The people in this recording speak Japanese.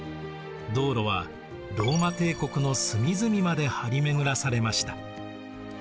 道路はローマ帝国の隅々まで張り巡らされました。